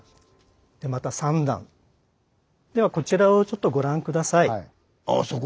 でまた３段。ではこちらをちょっとご覧下さい。